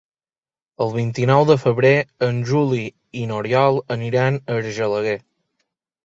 El vint-i-nou de febrer en Juli i n'Oriol aniran a Argelaguer.